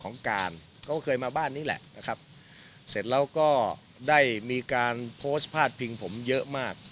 ของการเขาเคยมาบ้านนี้แหละนะครับเสร็จแล้วก็ได้มีการโพสต์พาดพิงผมเยอะมาก